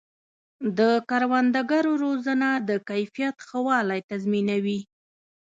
د کروندګرو روزنه د کیفیت ښه والی تضمینوي.